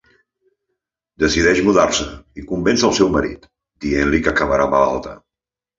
Decideix mudar-se i convenç el seu marit, dient-li que acabarà malalta.